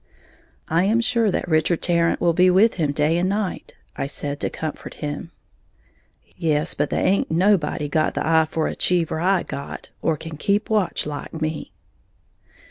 "I am sure that Richard Tarrant will be with him day and night," I said, to comfort him. "Yes; but tha'in't nobody got the eye for a Cheever I got, or can keep watch like me."